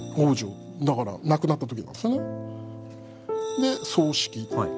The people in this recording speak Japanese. で葬式。